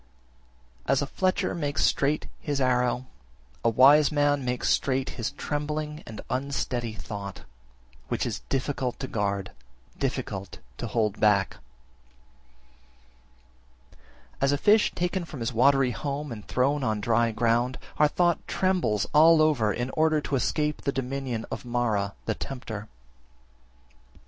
As a fletcher makes straight his arrow, a wise man makes straight his trembling and unsteady thought, which is difficult to guard, difficult to hold back. 34. As a fish taken from his watery home and thrown on dry ground, our thought trembles all over in order to escape the dominion of Mara (the tempter). 35.